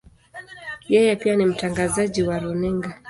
Yeye pia ni mtangazaji wa runinga.